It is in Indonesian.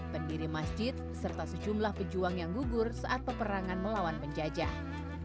pendiri masjid serta sejumlah pejuang yang gugur saat peperangan melawan penjajah